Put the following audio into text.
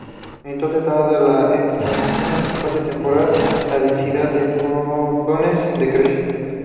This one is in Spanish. Entonces, dada la expansión espacio-temporal, la densidad de fotones decrece.